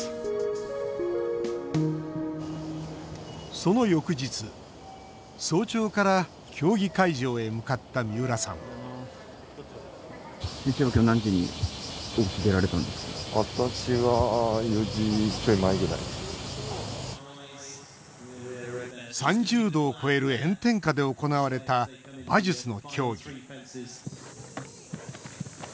その翌日、早朝から競技会場へ向かった三浦さん３０度を超える炎天下で行われた馬術の競技。